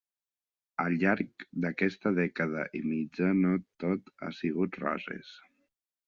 Al llarg d’aquesta dècada i mitja no tot han sigut roses.